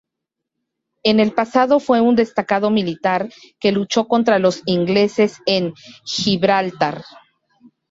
En el pasado fue un destacado militar que luchó contra los ingleses en Gibraltar.